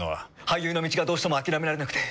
俳優の道がどうしても諦められなくて。